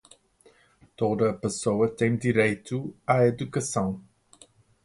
Toda a pessoa tem direito à educação.